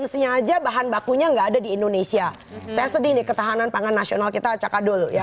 bahan bakunya enggak ada di indonesia saya sedih nih ketahanan pangan nasional kita caka dulu ya